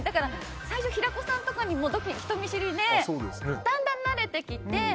最初平子さんにも人見知りで、だんだん慣れてきて。